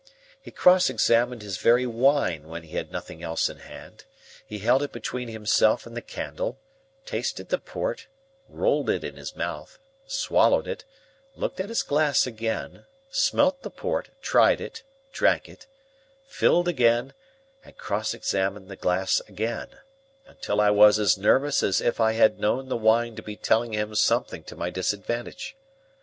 He cross examined his very wine when he had nothing else in hand. He held it between himself and the candle, tasted the port, rolled it in his mouth, swallowed it, looked at his glass again, smelt the port, tried it, drank it, filled again, and cross examined the glass again, until I was as nervous as if I had known the wine to be telling him something to my disadvantage.